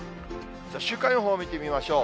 週間予報を見てみましょう。